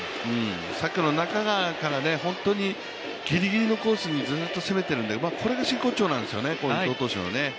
さっきの中川から本当にギリギリのコースにずっと攻めているので、これが真骨頂なんですよね、この投手の。